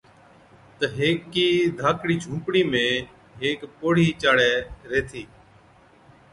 تہ هيڪِي ڌاڪڙِي جھُونپڙِي ۾ هيڪ پوڙهِي چاڙَي ريهٿِي۔